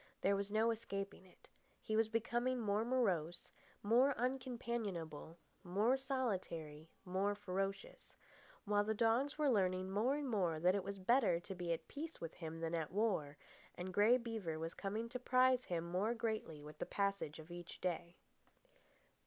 There was no escaping it. He was becoming more morose, more uncompanionable, more solitary, more ferocious; while the dogs were learning more and more that it was better to be at peace with him than at war, and Grey Beaver was coming to prize him more greatly with the passage of each day.